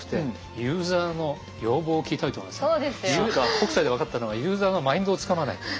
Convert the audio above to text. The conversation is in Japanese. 北斎で分かったのはユーザーのマインドをつかまないと。